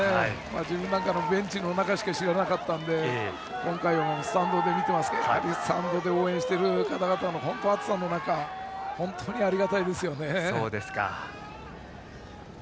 自分なんかベンチの中しか知らなかったので今回はスタンドで応援している方々も暑さの中本当にありがたいですよね。